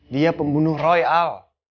dia pembunuh roy al